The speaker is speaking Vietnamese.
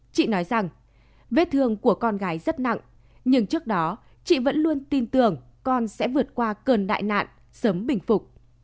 chị nói rằng vết thương của con gái rất nặng nhưng trước đó chị vẫn luôn tin tưởng con sẽ vượt qua cơn đại nạn sớm bình phục